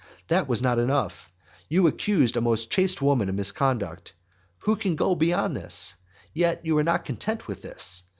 That was not enough. You accused a most chaste woman of misconduct. What can go beyond this? Yet you were not content with this.